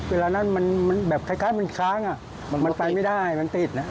เวลานั้นมันแบบคล้ายมันค้างมันไปไม่ได้มันติด